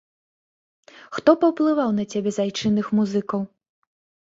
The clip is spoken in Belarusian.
Хто паўплываў на цябе з айчынных музыкаў?